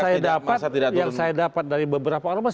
yang saya dapat dari beberapa orang